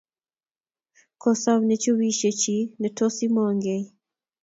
kosom ne chubishe chii ne tos imong kei